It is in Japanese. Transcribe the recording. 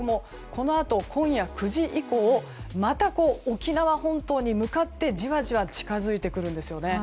このあと、今夜９時以降また、沖縄本島に向かってじわじわ近づいてくるんですね。